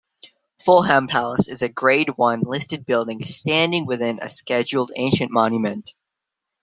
Fulham Palace is a Grade One listed building standing within a Scheduled Ancient Monument.